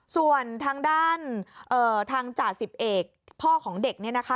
ส่วนทางด้านทางจ่าสิบเอกพ่อของเด็กเนี่ยนะคะ